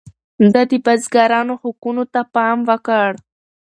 ده د بزګرانو حقونو ته پام وکړ.